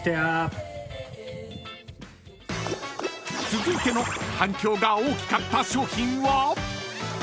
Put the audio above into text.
［続いての反響が大きかった商品は？］